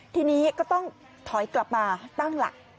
ทีนี้ก็ต้องถอยกลับมาตั้งหลัก